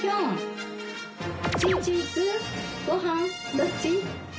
どっち？